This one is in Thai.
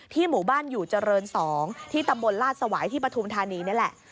หมู่บ้านอยู่เจริญ๒ที่ตำบลลาดสวายที่ปฐุมธานีนี่แหละ